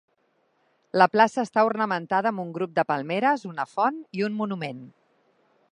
La plaça està ornamentada amb un grup de palmeres, una font i un monument.